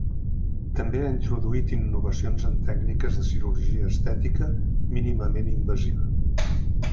També ha introduït innovacions en tècniques de cirurgia estètica mínimament invasiva.